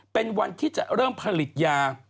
เป็นวันที่จะเริ่มผลิตยา